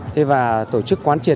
thế và tổ chức quán triệt